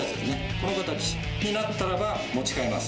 この形になったら持ち替えます。